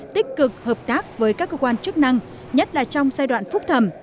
tích cực hợp tác với các cơ quan chức năng nhất là trong giai đoạn phúc thẩm